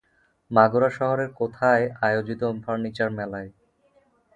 মাগুরা শহরের কোথায় আয়োজিত ফার্নিচার মেলায়?